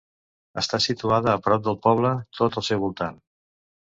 Està situada a prop del poble, tot al seu voltant.